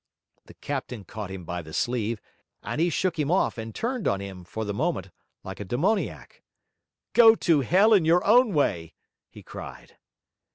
The captain caught him by the sleeve; and he shook him off and turned on him, for the moment, like a demoniac. 'Go to hell in your own way!' he cried.